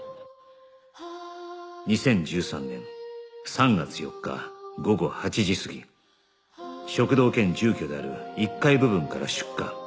２０１３年３月４日午後８時過ぎ食堂兼住居である１階部分から出火